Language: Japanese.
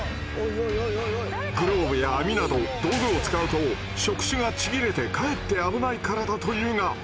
グローブや網など道具を使うと触手がちぎれてかえって危ないからだというが。